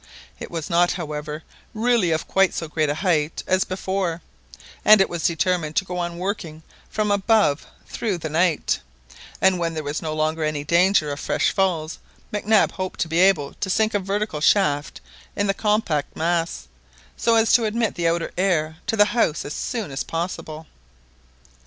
It was not, however, really of quite so great a height as before, and it was determined to go on working from above through the night, and when there was no longer any danger of fresh falls Mac Nab hoped to be able to sink a vertical shaft in the compact mass, so as to admit the outer air to the house as soon as possible.